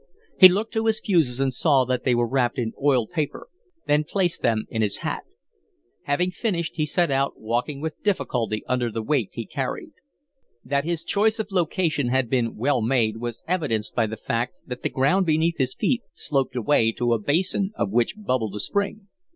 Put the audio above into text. He looked to his fuses and saw that they were wrapped in oiled paper, then placed them in his hat. Having finished, he set out, walking with difficulty under the weight he carried. That his choice of location had been well made was evidenced by the fact that the ground beneath his feet sloped away to a basin out of which bubbled a spring.